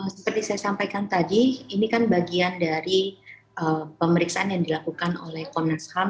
seperti saya sampaikan tadi ini kan bagian dari pemeriksaan yang dilakukan oleh komnas ham